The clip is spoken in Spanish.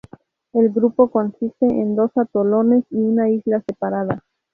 El grupo consiste en dos atolones y una isla separada.